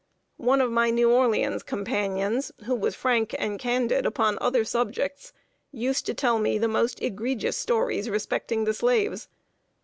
One of my New Orleans companions, who was frank and candid upon other subjects, used to tell me the most egregious stories respecting the slaves.